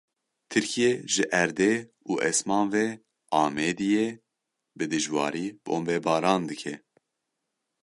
Tirkiye ji erdê û esman ve Amêdiyê bi dijwarî bombebaran dike.